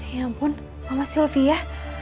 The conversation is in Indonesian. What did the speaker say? ya ampun mama sylvia